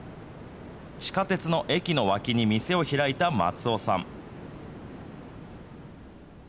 地下鉄の駅の脇に店を開いた松尾さん。